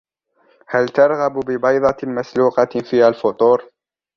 هل ترغب ببيضة مسلوقة في الفطور؟